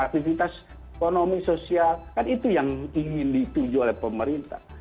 aktivitas ekonomi sosial kan itu yang ingin dituju oleh pemerintah